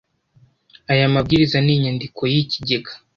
aya mabwiriza n inyandiko y ikigega